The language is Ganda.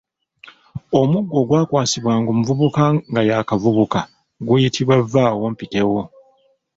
Omuggo ogwakwasibwanga omuvubuka nga y’akavubuka guyitibwa vvawompitewo.